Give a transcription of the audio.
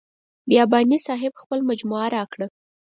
بیاباني صاحب خپله مجموعه راکړه.